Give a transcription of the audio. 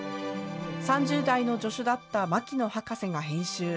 ３０代の助手だった牧野博士が編集。